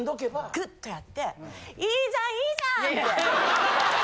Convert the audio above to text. グッとやっていいじゃんいいじゃんって。